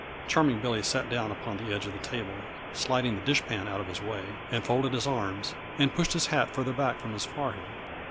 Charming Billy sat down upon the edge of the table sliding the dishpan out of his way and folded his arms, and pushed his hat farther back from his forehead.